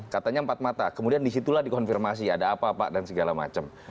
katanya empat mata kemudian disitulah dikonfirmasi ada apa pak dan segala macam